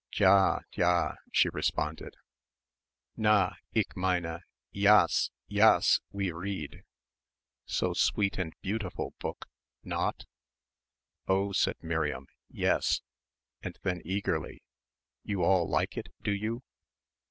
"D'ja, d'ja," she responded, "na, ich meine, yace, yace we read so sweet and beautiful book not?" "Oh," said Miriam, "yes ..." and then eagerly, "you all like it, do you?"